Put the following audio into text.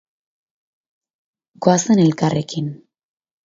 Goazen elkarrekin.